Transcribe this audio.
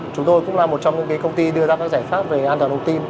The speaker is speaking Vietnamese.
chúng tôi cũng là một trong những công ty đưa ra các giải pháp về an toàn thông tin